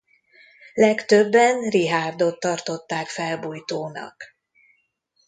Legtöbben Richárdot tartották felbujtónak.